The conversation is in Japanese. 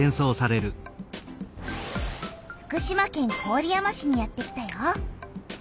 福島県郡山市にやってきたよ。